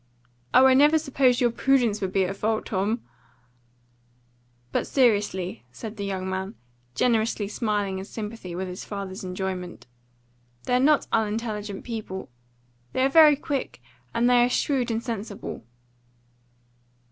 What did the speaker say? "Oh, I never supposed your PRUDENCE would be at fault, Tom!" "But seriously," said the young man, generously smiling in sympathy with his father's enjoyment, "they're not unintelligent people. They are very quick, and they are shrewd and sensible."